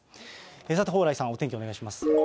さて蓬莱さん、お天気をお願いします。